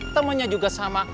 temennya juga sama